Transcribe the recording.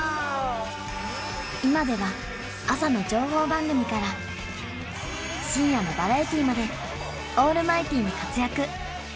今では朝の情報番組から深夜のバラエティまでオールマイティーに活躍